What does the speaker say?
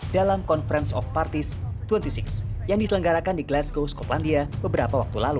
dalam conference of parties dua puluh enam yang diselenggarakan di glasgow skotlandia beberapa waktu lalu